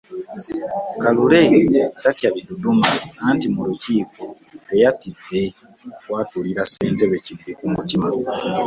Kalule tatya biduduma anti mu lukiiko teyatidde kwatulira ssentebe kimuli ku mutima.